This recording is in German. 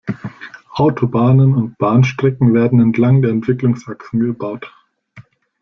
Autobahnen und Bahnstrecken werden entlang der Entwicklungsachsen gebaut.